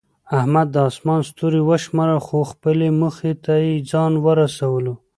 احمد د اسمان ستوري وشمارل، خو خپلې موخې ته یې ځان ورسولو.